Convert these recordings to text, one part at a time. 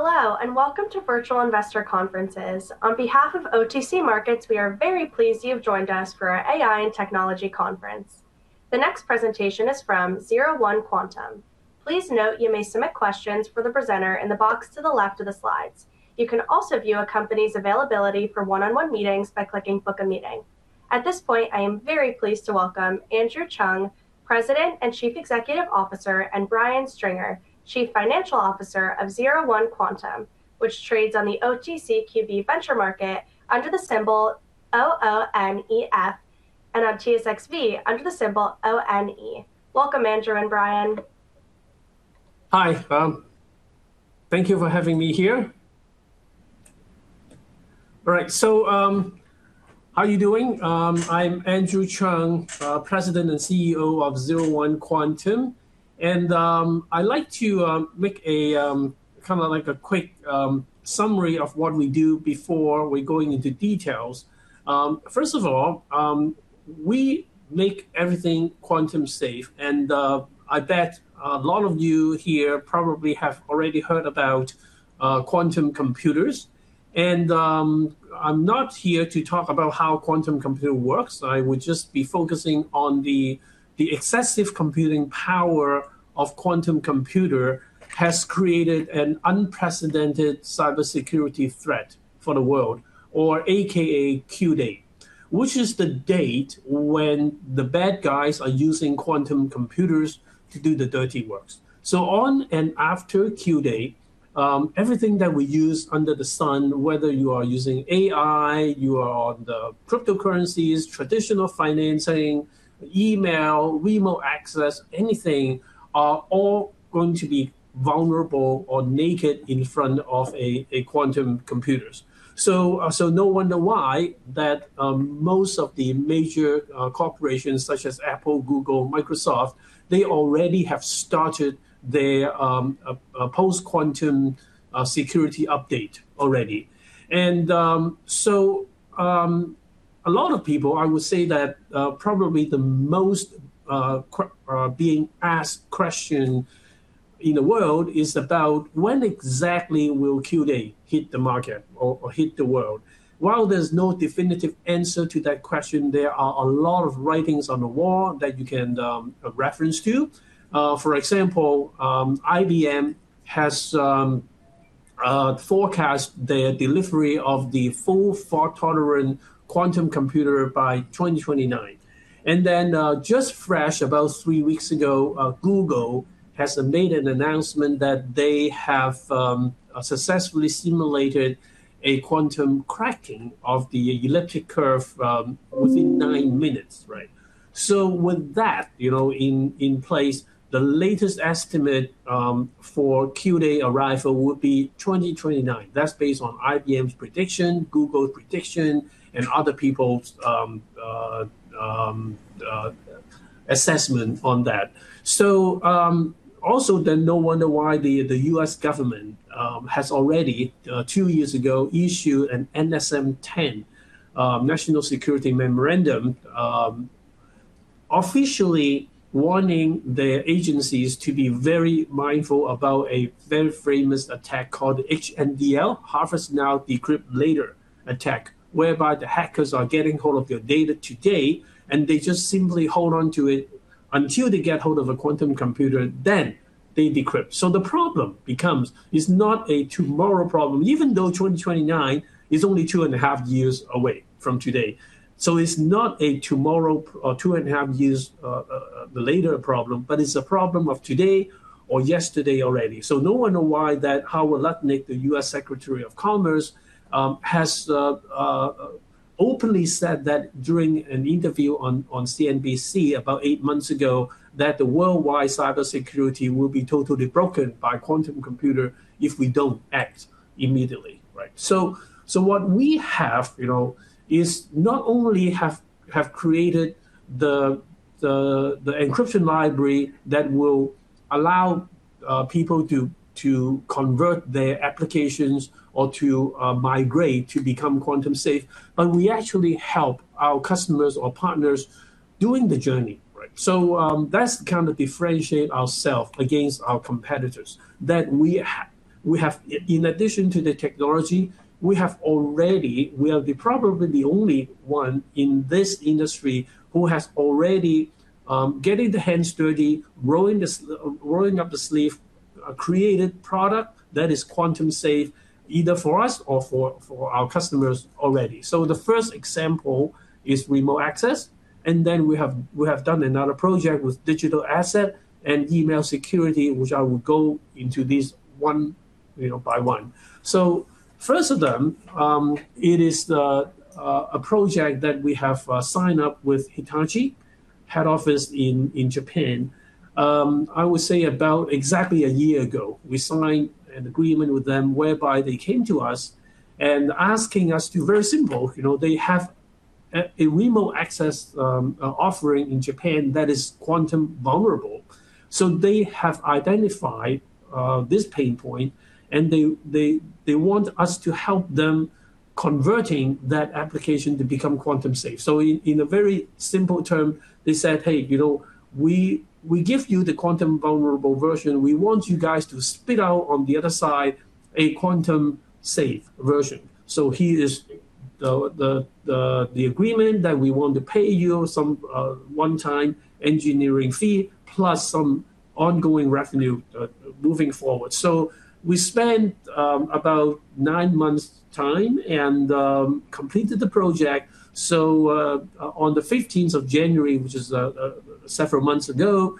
Hello, and welcome to Virtual Investor Conferences. On behalf of OTC Markets, we are very pleased you have joined us for our AI and Technology Conference. The next presentation is from 01 Quantum. Please note you may submit questions for the presenter in the box to the left of the slides. You can also view a company's availability for one-on-one meetings by clicking "Book a Meeting." At this point, I am very pleased to welcome Andrew Cheung, President and Chief Executive Officer, and Brian Stringer, Chief Financial Officer of 01 Quantum, which trades on the OTCQB Venture Market under the symbol OONEF, and on TSXV under the 1 symbol. Welcome, Andrew and Brian. Hi. Thank you for having me here. All right. How are you doing? I'm Andrew Cheung, President and CEO of 01 Quantum. I'd like to make a quick summary of what we do before we go into details. First of all, we make everything quantum safe. I bet a lot of you here probably have already heard about quantum computers. I'm not here to talk about how quantum computer works. I will just be focusing on the excessive computing power of quantum computer has created an unprecedented cybersecurity threat for the world, or aka Q-Day. Which is the date when the bad guys are using quantum computers to do the dirty works. On and after Q-Day, everything that we use under the sun, whether you are using AI, you are on the cryptocurrencies, traditional financing, email, remote access, anything, are all going to be vulnerable or naked in front of quantum computers. No wonder why that most of the major corporations such as Apple, Google, Microsoft, they already have started their post-quantum security update already. A lot of people, I would say that probably the most being asked question in the world is about when exactly will Q-Day hit the market or hit the world. While there's no definitive answer to that question, there are a lot of writings on the wall that you can reference to. For example, IBM has forecast their delivery of the full fault-tolerant quantum computer by 2029. Just fresh about three weeks ago, Google has made an announcement that they have successfully simulated a quantum cracking of the elliptic curve within nine minutes. With that in place, the latest estimate for Q-Day arrival would be 2029. That's based on IBM's prediction, Google's prediction, and other people's assessment on that. Also then no wonder why the U.S. government has already two years ago issued an NSM-10, National Security Memorandum, officially warning their agencies to be very mindful about a very famous attack called HNDL, Harvest Now Decrypt Later attack. Whereby the hackers are getting hold of your data today, and they just simply hold onto it until they get hold of a quantum computer, then they decrypt. The problem becomes, it's not a tomorrow problem. Even though 2029 is only two and a half years away from today. It's not a tomorrow or two and a half years later problem, but it's a problem of today or yesterday already. No wonder why that Gina Raimondo, the U.S. Secretary of Commerce, has openly said that during an interview on CNBC about eight months ago, that the worldwide cybersecurity will be totally broken by quantum computer if we don't act immediately. What we have is not only have created the encryption library that will allow people to convert their applications or to migrate to become quantum safe, but we actually help our customers or partners during the journey. That differentiate ourselves against our competitors. That we have in addition to the technology, we are probably the only one in this industry who has already getting the hands dirty, rolling up the sleeve, created product that is quantum safe either for us or for our customers already. The first example is remote access, and then we have done another project with digital asset and email security, which I will go into these one by one. First of them, it is a project that we have signed up with Hitachi, head office in Japan. I would say about exactly a year ago. We signed an agreement with them whereby they came to us and asking us to very simple. They have a remote access offering in Japan that is quantum vulnerable. They have identified this pain point, and they want us to help them converting that application to become quantum safe. In a very simple term, they said, "Hey, we give you the quantum vulnerable version. We want you guys to spit out on the other side a quantum safe version." Here is... The agreement that we want to pay you some one-time engineering fee plus some ongoing revenue moving forward. We spent about nine months time and completed the project. On the 15th of January, which is several months ago,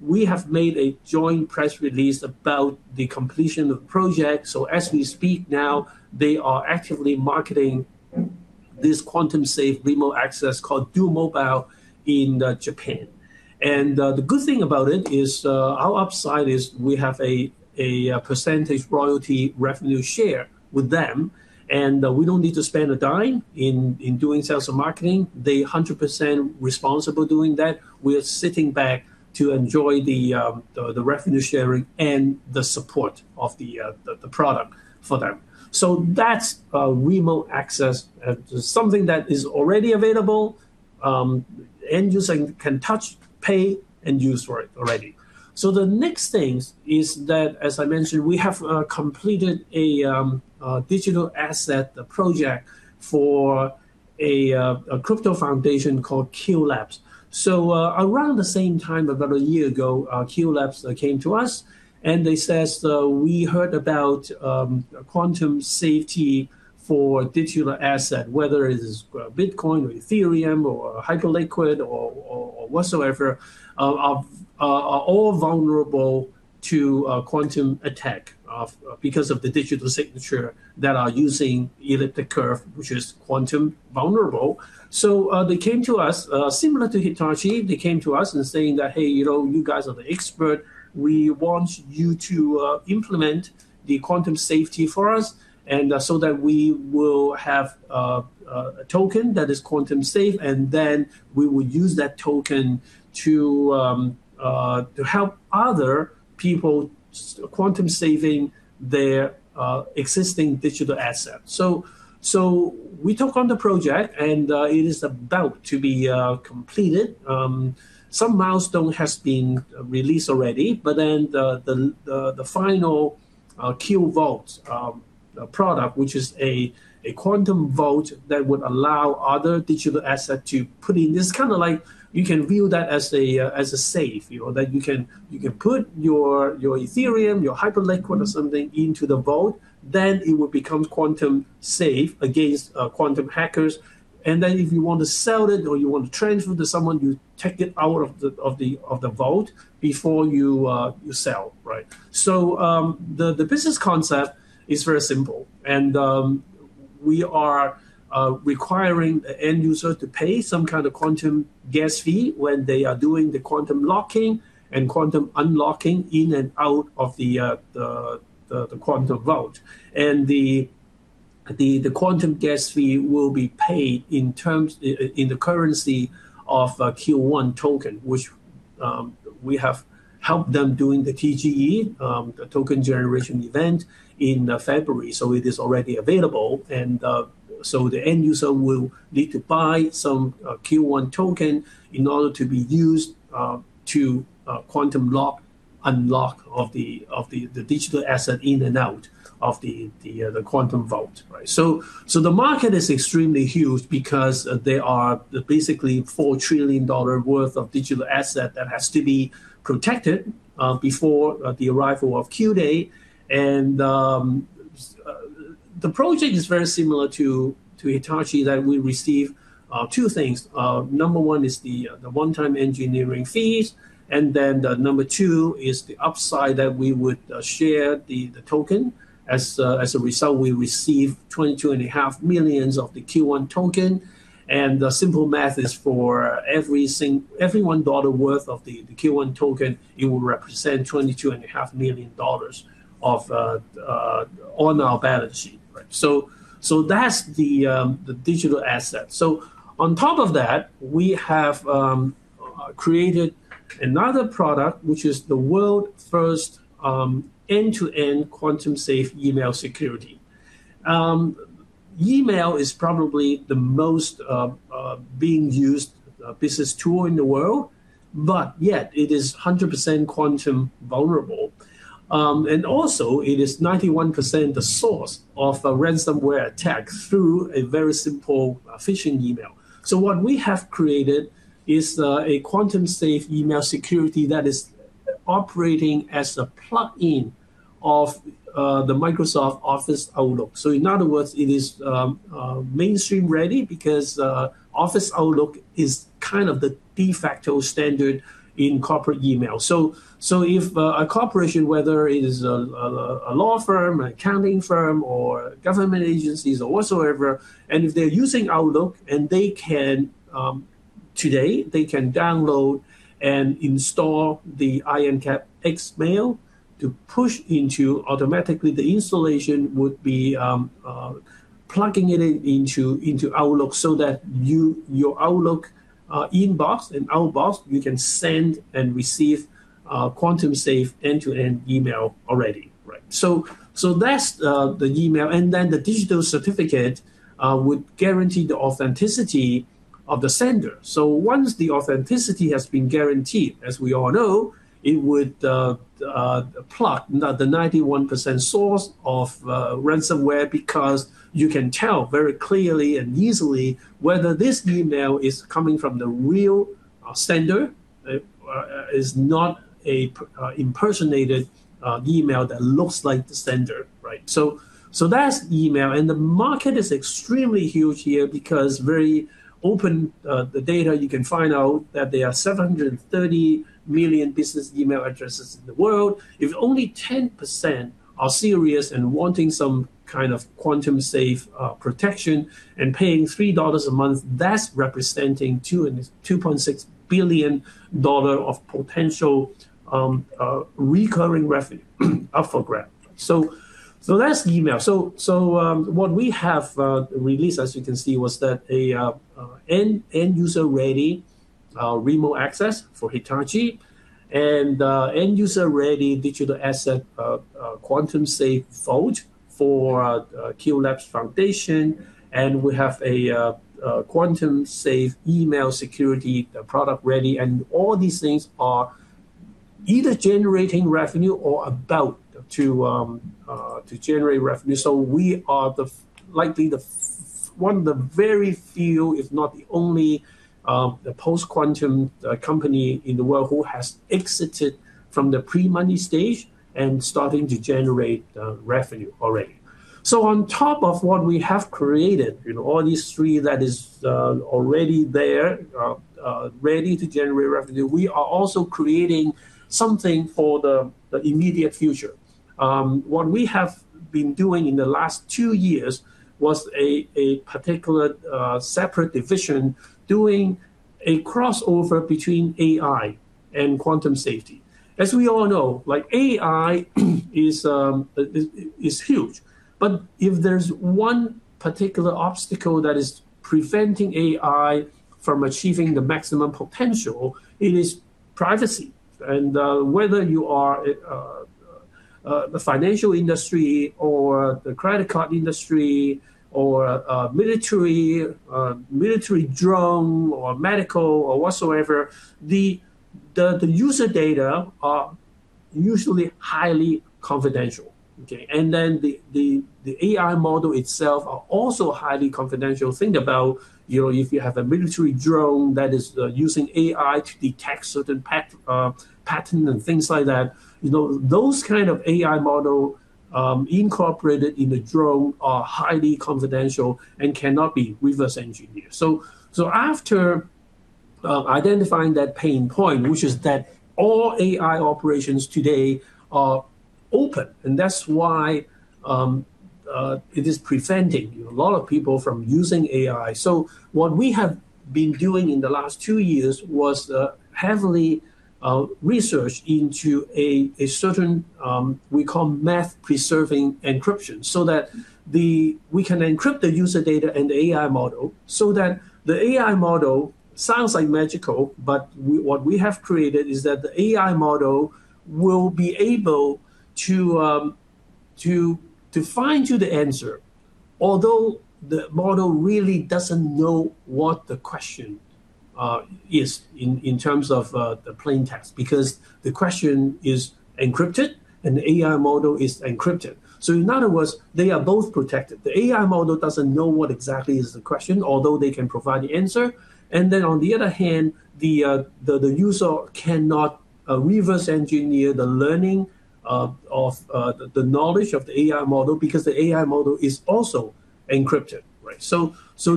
we have made a joint press release about the completion of project. As we speak now, they are actively marketing this quantum safe remote access called DoMobile in Japan. The good thing about it is, our upside is we have a percentage royalty revenue share with them, and we don't need to spend a dime in doing sales and marketing. They 100% responsible doing that. We are sitting back to enjoy the revenue sharing and the support of the product for them. That's remote access, something that is already available. End user can touch, pay and use for it already. The next thing is that, as I mentioned, we have completed a digital asset project for a crypto foundation called qLABS. Around the same time, about a year ago, qLABS came to us, and they said, "We heard about quantum safety for digital asset, whether it is Bitcoin or Ethereum or Hyperliquid or whatsoever, are all vulnerable to quantum attack because of the digital signature that are using elliptic curve, which is quantum vulnerable." They came to us similar to Hitachi. They came to us and saying that, "Hey, you guys are the expert. We want you to implement the quantum safety for us and so that we will have a token that is quantum safe, and then we will use that token to help other people quantum saving their existing digital assets." We took on the project, and it is about to be completed. Some milestone has been released already. The final qVAULT product, which is a quantum vault that would allow other digital asset to put in. It's kind of like you can view that as a safe that you can put your Ethereum, your Hyperliquid or something into the vault. It would become quantum safe against quantum hackers. If you want to sell it or you want to transfer to someone, you take it out of the vault before you sell, right? The business concept is very simple, and we are requiring the end user to pay some kind of quantum gas fee when they are doing the quantum locking and quantum unlocking in and out of the qVAULT. The quantum gas fee will be paid in the currency of $qONE token, which we have helped them doing the TGE, the token generation event in February. It is already available. The end user will need to buy some $qONE token in order to be used to quantum lock, unlock of the digital asset in and out of the qVAULT. Right. The market is extremely huge because there are basically $4 trillion worth of digital asset that has to be protected before the arrival of Q-Day. The project is very similar to Hitachi that we receive two things. Number one is the one-time engineering fees, and then the number two is the upside that we would share the token. As a result, we receive 22.5 million of the qONE token. The simple math is for every $1 worth of the qONE token, it will represent $22.5 million on our balance sheet. Right. That's the digital asset. On top of that, we have created another product, which is the world's first end-to-end quantum-safe email security. Email is probably the most used business tool in the world, but yet it is 100% quantum vulnerable. It is 91% of the source of ransomware attacks through a very simple phishing email. What we have created is a quantum-safe email security that is operating as a plug-in of the Microsoft Office Outlook. In other words, it is mainstream ready because Office Outlook is kind of the de facto standard in corporate email. If a corporation, whether it is a law firm, accounting firm or government agencies or whatsoever, and if they're using Outlook and they can, today, they can download and install the IronCAP X mail to push into automatically, the installation would be plugging it into Outlook so that your Outlook inbox and outbox, you can send and receive quantum safe end-to-end email already. Right. That's the email. Then the digital certificate would guarantee the authenticity of the sender. Once the authenticity has been guaranteed, as we all know, it would block the 91% source of ransomware because you can tell very clearly and easily whether this email is coming from the real sender, is not an impersonated email that looks like the sender, right? That's email. The market is extremely huge here because very open, the data you can find out that there are 730 million business email addresses in the world. If only 10% are serious and wanting some kind of quantum safe protection and paying $3 a month, that's representing $2.6 billion of potential, recurring revenue up for grabs. That's email. What we have released, as you can see, was that a end user-ready remote access for Hitachi and end user-ready digital asset, quantum safe vault for qLABS foundation. We have a quantum safe email security product ready. All these things are either generating revenue or about to generate revenue. We are likely one of the very few, if not the only, post-quantum company in the world who has exited from the pre-money stage and starting to generate revenue already. On top of what we have created, all these three that is already there, ready to generate revenue, we are also creating something for the immediate future. What we have been doing in the last two years was a particular separate division doing a crossover between AI and quantum safety. As we all know, AI is huge. If there's one particular obstacle that is preventing AI from achieving the maximum potential, it is privacy. Whether you are a financial industry or the credit card industry or military drone or medical, or whatsoever, the user data are usually highly confidential. Okay. Then the AI model itself are also highly confidential. Think about if you have a military drone that is using AI to detect certain pattern and things like that. Those kind of AI model incorporated in the drone are highly confidential and cannot be reverse engineered. After identifying that pain point, which is that all AI operations today are open, and that's why it is preventing a lot of people from using AI. What we have been doing in the last two years was heavy research into a certain we call math-preserving encryption, so that we can encrypt the user data and the AI model. That the AI model sounds like magic, but what we have created is that the AI model will be able to find you the answer, although the model really doesn't know what the question is in terms of the plain text. Because the question is encrypted and the AI model is encrypted. In other words, they are both protected. The AI model doesn't know what exactly is the question, although they can provide the answer. On the other hand, the user cannot reverse engineer the learning of the knowledge of the AI model because the AI model is also encrypted, right?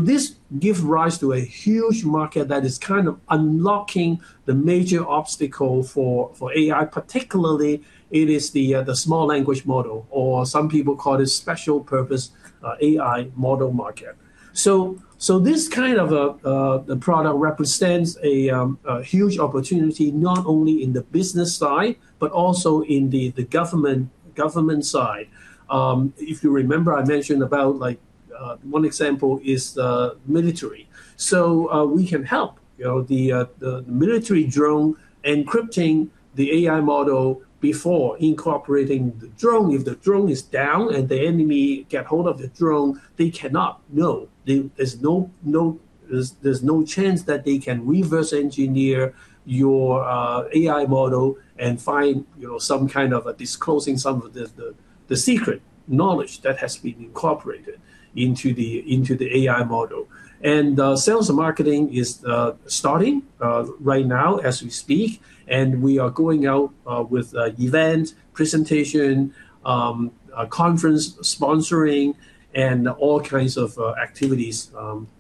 This give rise to a huge market that is kind of unlocking the major obstacle for AI particularly it is the small language model, or some people call it special purpose AI model market. This kind of product represents a huge opportunity not only in the business side but also in the government side. If you remember I mentioned about one example is military. We can help the military drone encrypting the AI model before incorporating the drone. If the drone is down and the enemy get hold of the drone, they cannot know. There's no chance that they can reverse engineer your AI model and find some kind of disclosure of some of the secret knowledge that has been incorporated into the AI model. Sales and marketing is starting right now as we speak. We are going out with event presentation, conference sponsoring, and all kinds of activities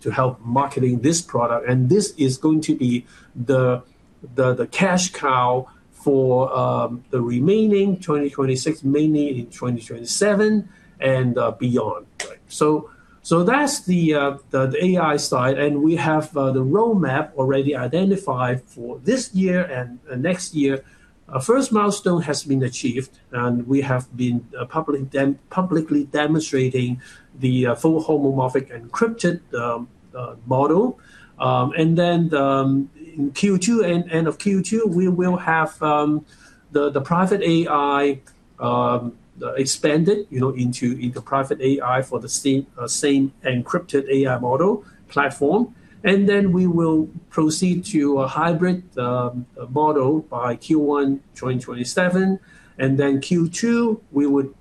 to help market this product. This is going to be the cash cow for the remaining 2026, mainly in 2027 and beyond. That's the AI side. We have the roadmap already identified for this year and next year. First milestone has been achieved, and we have been publicly demonstrating the fully homomorphic encrypted model. Then in Q2, end of Q2, we will have the private AI expanded into private AI for the same encrypted AI model platform. Then we will proceed to a hybrid model by Q1 2027. Q2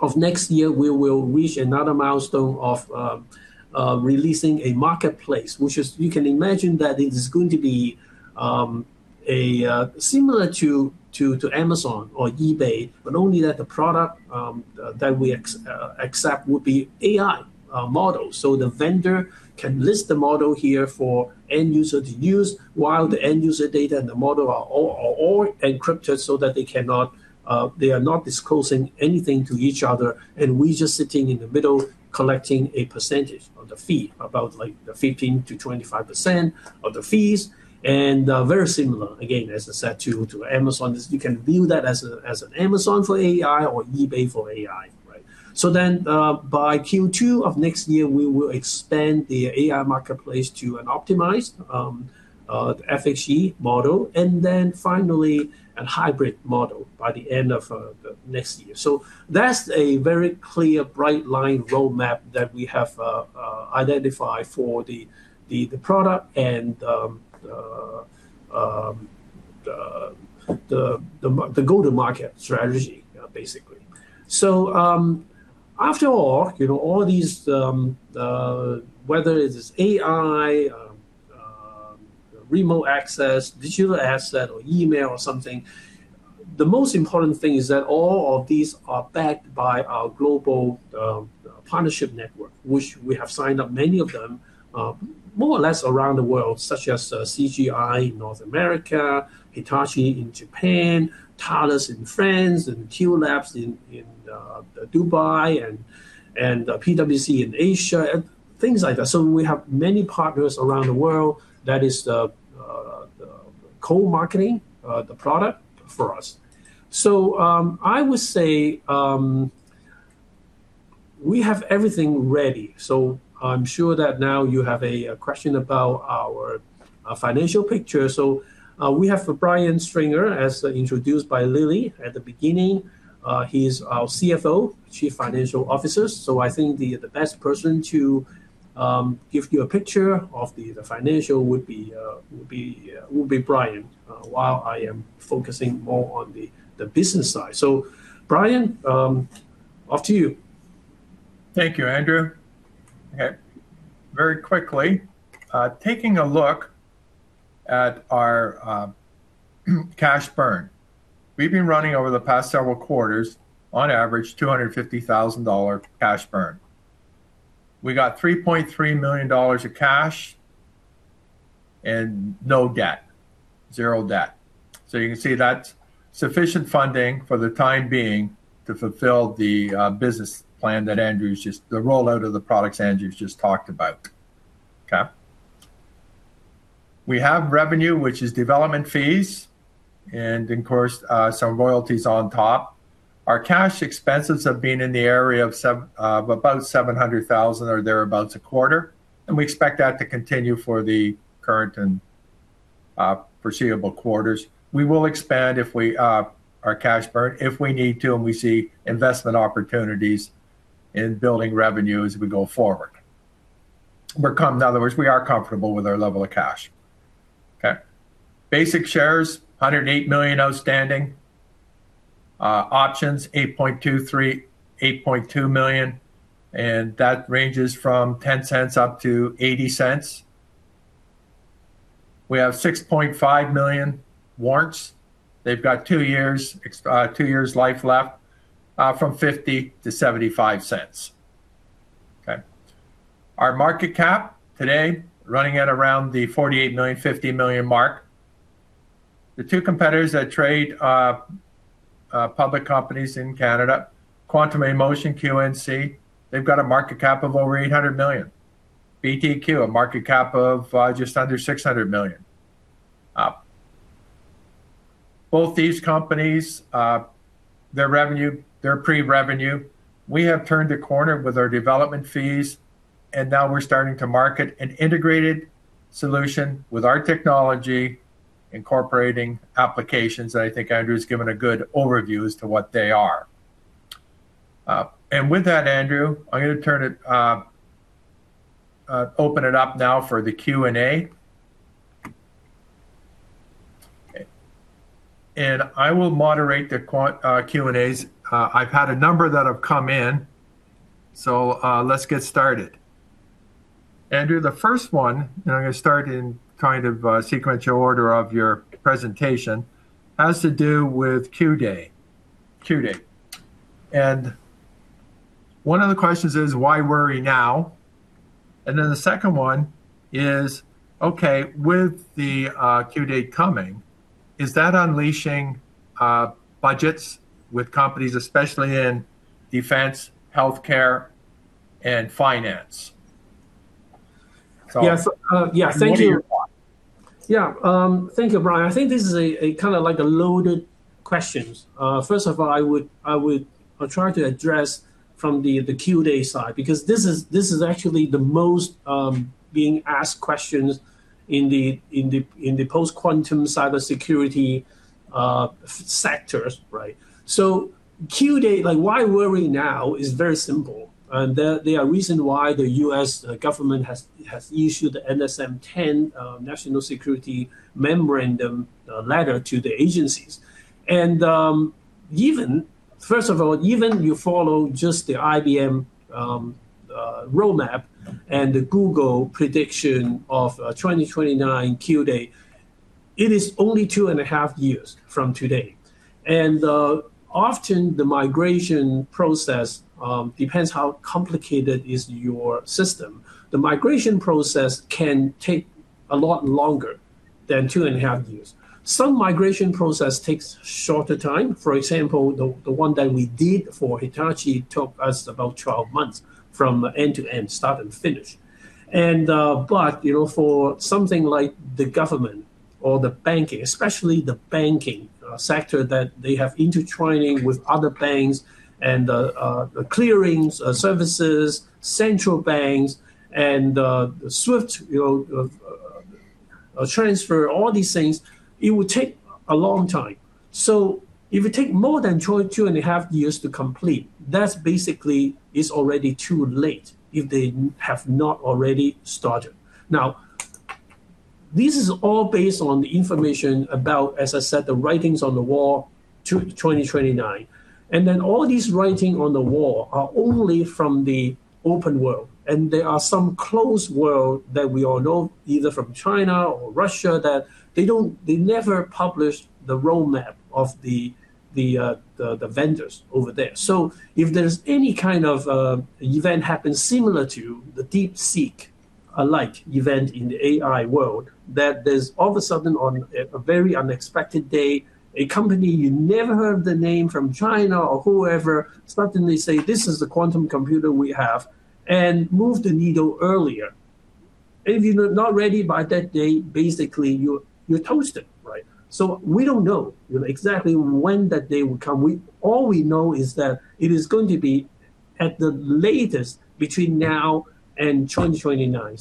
of next year, we will reach another milestone of releasing a marketplace, which you can imagine that it is going to be similar to Amazon or eBay, but only that the product that we accept would be AI models. The vendor can list the model here for end user to use while the end user data and the model are all encrypted so that they are not disclosing anything to each other, and we just sitting in the middle, collecting a percentage or the fee, about 15%-25% of the fees, and very similar, again, as I said to Amazon. You can view that as an Amazon for AI or eBay for AI. By Q2 of next year, we will expand the AI marketplace to an optimized FHE model, and then finally a hybrid model by the end of next year. That's a very clear bright line roadmap that we have identified for the product and the go-to-market strategy, basically. After all these, whether it is AI, remote access, digital asset, or email, or something, the most important thing is that all of these are backed by our global partnership network, which we have signed up many of them, more or less around the world, such as CGI in North America, Hitachi in Japan, Thales in France, and qLABS in Dubai, and PwC in Asia, and things like that. We have many partners around the world that is co-marketing the product for us. I would say we have everything ready. I'm sure that now you have a question about our financial picture. We have Brian Stringer, as introduced by Lily at the beginning. He's our CFO, Chief Financial Officer. I think the best person to give you a picture of the financial would be Brian, while I am focusing more on the business side. Brian, off to you. Thank you, Andrew. Very quickly. Taking a look at our cash burn. We've been running over the past several quarters, on average, $250,000 cash burn. We got $3.3 million of cash and no debt, zero debt. So you can see that's sufficient funding for the time being to fulfill the business plan, the rollout of the products Andrew's just talked about. Okay. We have revenue, which is development fees, and of course, some royalties on top. Our cash expenses have been in the area of about $700,000 or thereabouts a quarter, and we expect that to continue for the current and foreseeable quarters. We will expand our cash burn if we need to, and we see investment opportunities in building revenue as we go forward. In other words, we are comfortable with our level of cash. Okay. Basic shares, 108 million outstanding. Options, $8.2 million, and that ranges from $0.10-$0.80. We have 6.5 million warrants. They've got two years life left, from $0.50-$0.75. Okay. Our market cap today, running at around the $48 million-$50 million mark. The two competitors that trade public companies in Canada, Quantum eMotion, QNC, they've got a market cap of over $800 million. BTQ, a market cap of just under $600 million. Both these companies, their revenue, they're pre-revenue. We have turned a corner with our development fees, and now we're starting to market an integrated solution with our technology, incorporating applications that I think Andrew's given a good overview as to what they are. With that, Andrew, I'm going to open it up now for the Q&A. Okay. I will moderate the Q&As. I've had a number that have come in, so let's get started. Andrew, the first one, I'm going to start in kind of sequential order of your presentation, has to do with Q-Day. One of the questions is why worry now? Then the second one is, okay, with the Q-Day coming, is that unleashing budgets with companies, especially in defense, healthcare, and finance? Yeah. Thank you. Yeah. Thank you, Brian. I think this is kind of like a loaded questions. First of all, I would try to address from the Q-Day side, because this is actually the most being asked questions in the post-quantum cybersecurity sectors. Q-Day, why worry now is very simple. There are reason why the U.S. government has issued the NSM-10, National Security Memorandum letter to the agencies. First of all, even you follow just the IBM roadmap and the Google prediction of 2029 Q-Day, it is only 2.5 years from today. Often the migration process depends how complicated is your system. The migration process can take a lot longer than 2.5 years. Some migration process takes shorter time. For example, the one that we did for Hitachi took us about 12 months from end to end, start and finish. For something like the government or the banking, especially the banking sector, that they have intertwining with other banks and the clearings, services, central banks and the SWIFT transfer, all these things, it would take a long time. If it takes more than two and a half years to complete, that's basically, it's already too late if they have not already started. Now, this is all based on the information about, as I said, the writings on the wall, 2029. Then all these writing on the wall are only from the open world. There are some closed world that we all know, either from China or Russia, that they never publish the roadmap of the vendors over there. If there's any kind of event happen similar to the DeepSeek alike event in the AI world, that there's all of a sudden, on a very unexpected day, a company you never heard the name from China or whoever suddenly say, "This is the quantum computer we have," and move the needle earlier. If you're not ready by that day, basically you're toasted. Right? We don't know exactly when that day will come. All we know is that it is going to be at the latest between now and 2029.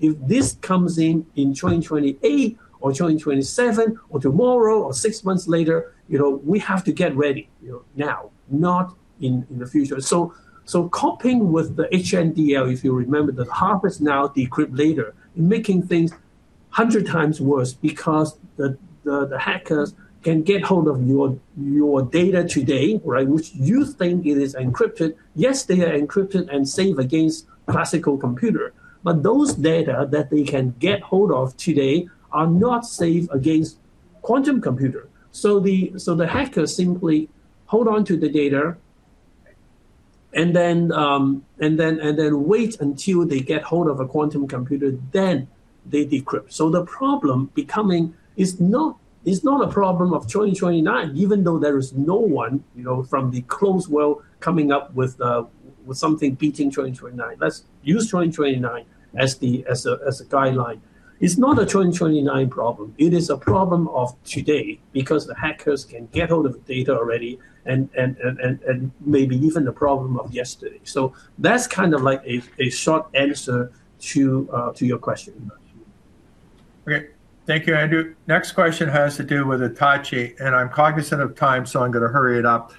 If this comes in 2028 or 2027 or tomorrow or six months later, we have to get ready now, not in the future. Coping with the HNDL, if you remember, the harvest now, decrypt later, making things 100x worse because the hackers can get hold of your data today, which you think it is encrypted. Yes, they are encrypted and safe against classical computer, but those data that they can get hold of today are not safe against quantum computer. The hacker simply hold onto the data and then wait until they get hold of a quantum computer, then they decrypt. The problem becoming is not a problem of 2029, even though there is no one from the closed world coming up with something beating 2029. Let's use 2029 as a guideline. It's not a 2029 problem. It is a problem of today because the hackers can get all the data already and maybe even the problem of yesterday. That's kind of like a short answer to your question. Great. Thank you, Andrew. Next question has to do with Hitachi, and I'm cognizant of time, so I'm going to hurry it up.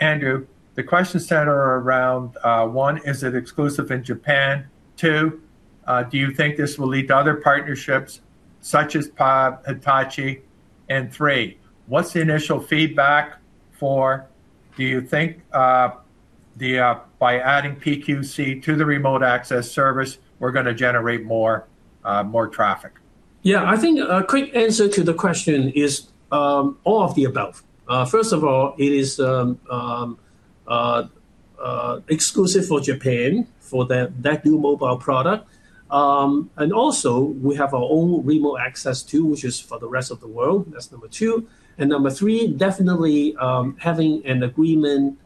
Andrew, the questions center around one, is it exclusive in Japan? Two, do you think this will lead to other partnerships such as Hitachi? And three, what's the initial feedback? Do you think by adding PQC to the remote access service, we're going to generate more traffic? Yeah, I think a quick answer to the question is all of the above. First of all, it is exclusive for Japan for that product. Also we have our own remote access too, which is for the rest of the world. That's number two. Number three, definitely having an agreement,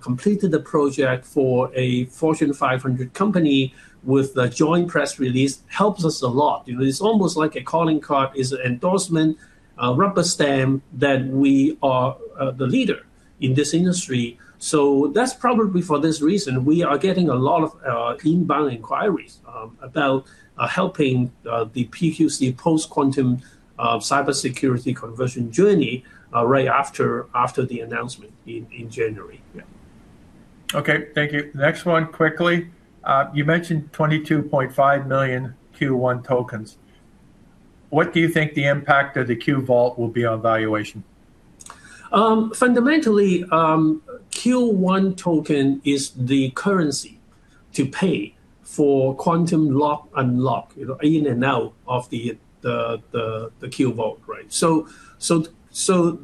completed the project for a Fortune 500 company with a joint press release helps us a lot. It's almost like a calling card, is an endorsement, a rubber stamp that we are the leader in this industry. That's probably for this reason we are getting a lot of inbound inquiries about helping the PQC post-quantum cybersecurity conversion journey right after the announcement in January. Yeah. Okay. Thank you. Next one quickly. You mentioned 22.5 million, $qONE tokens. What do you think the impact of the qVAULT will be on valuation? Fundamentally, $qONE token is the currency to pay for quantum lock, unlock in and out of the qVAULT, right?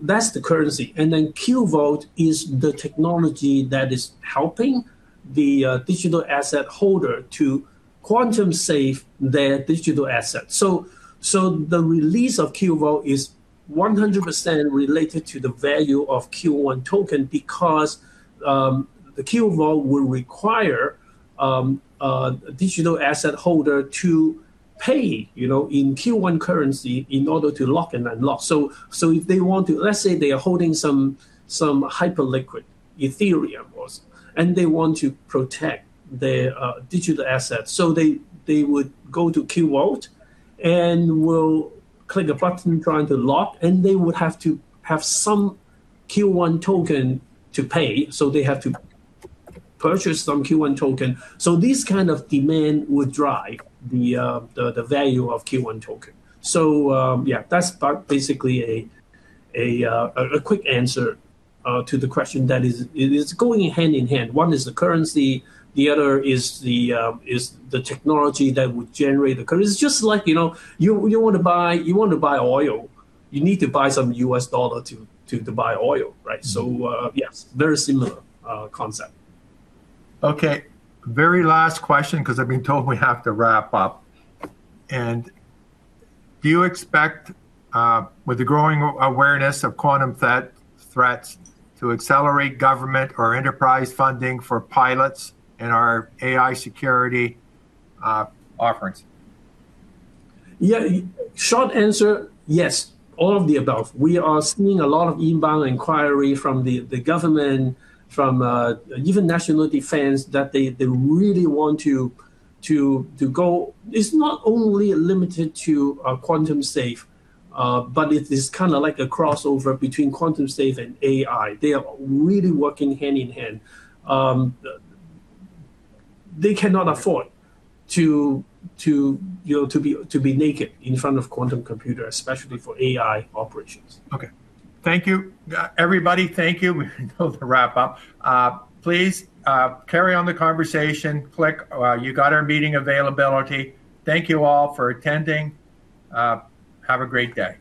That's the currency. qVAULT is the technology that is helping the digital asset holder to quantum safe their digital asset. The release of qVAULT is 100% related to the value of $qONE token because the qVAULT will require a digital asset holder to pay in qONE currency in order to lock and unlock. Let's say they are holding some Hyperliquid Ethereum, and they want to protect their digital assets. They would go to qVAULT and will click a button trying to lock, and they would have to have some $qONE token to pay. They have to purchase some $qONE token. This kind of demand would drive the value of $qONE token. Yeah, that's basically a quick answer to the question. That is, it is going hand in hand. One is the currency, the other is the technology that would generate the currency. It's just like you want to buy oil, you need to buy some U.S. dollar to buy oil, right? Yes, very similar concept. Okay, very last question because I've been told we have to wrap up. Do you expect, with the growing awareness of quantum threats to accelerate government or enterprise funding for pilots in our AI security offerings? Yeah. Short answer, yes. All of the above. We are seeing a lot of inbound inquiry from the government, from even national defense that they really want to go. It's not only limited to quantum safe, but it is kind of like a crossover between quantum safe and AI. They are really working hand in hand. They cannot afford to be naked in front of quantum computer, especially for AI operations. Okay. Thank you, everybody. Thank you. We have to wrap up. Please carry on the conversation. Click. You got our meeting availability. Thank you all for attending. Have a great day.